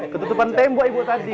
ketutupan tembok ibu tadi